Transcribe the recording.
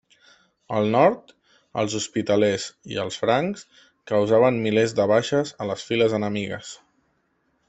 Al nord, els Hospitalers i els francs causaven milers de baixes a les files enemigues.